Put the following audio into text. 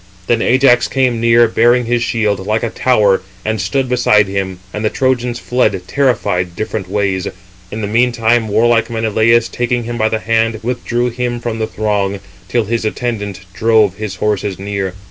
Then Ajax came near, bearing his shield, like a tower, and stood beside him; and the Trojans fled, terrified, different ways. In the meantime warlike Menelaus, taking him by the hand, withdrew [him] from the throng, till his attendant drove his horses near.